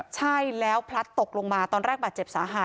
ใช่แล้วพลัดตกลงมาตอนแรกบาดเจ็บสาหัส